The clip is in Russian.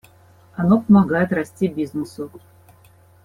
Оно помогает расти бизнесу.